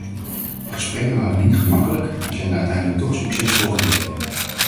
De gesprekken waren niet gemakkelijk, maar zijn uiteindelijk toch succesvol gebleken.